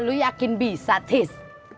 lu yakin bisa tis